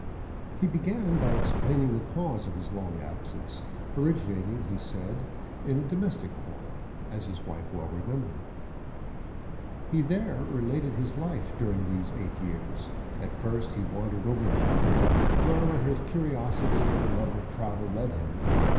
He began by explaining the cause of his long absence, originating, he said, in a domestic quarrel, as his wife well remembered. He there related his life during these eight years. At first he wandered over the country, wherever his curiosity and the love of travel led him.